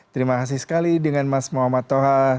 terima kasih sekali dengan mas muhammad toha